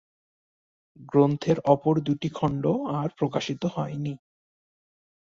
গ্রন্থের অপর দুটি খন্ড আর প্রকাশিত হয়নি।